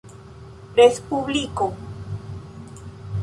respubliko